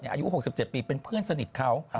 อายุ๖๗ปีเป็นเพื่อนสนิทเขา